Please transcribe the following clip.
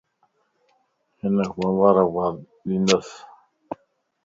ھنک مبارڪباد ڏينس